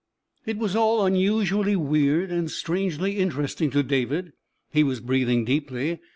It was all unusually weird and strangely interesting to David. He was breathing deeply.